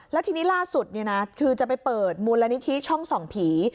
แล้วทีนี้ล่าสุดคือจะไปเปิดมูลนิธิช่องส่องผี